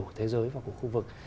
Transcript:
của thế giới và của khu vực